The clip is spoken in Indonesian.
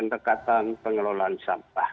pendekatan pengelolaan sampah